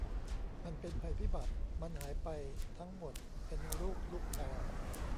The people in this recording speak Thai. มันเป็นภัยพิบัติ มันหายไปทั้งหมดเป็นรูปลูกแพร์